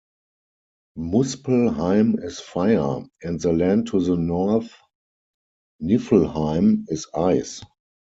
Muspelheim is fire; and the land to the North, Niflheim, is ice.